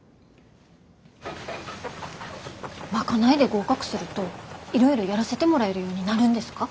賄いで合格するといろいろやらせてもらえるようになるんですか？